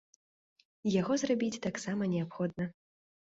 І яго зрабіць таксама неабходна.